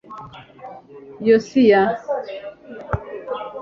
yosiya